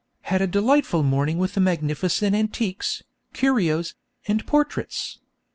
Had a delightful morning with the magnificent antiques, curios, and portraits.